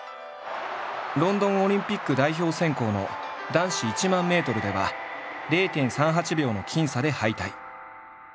ロンドンオリンピック代表選考の男子１００００ｍでは０．３８秒の僅差で敗退。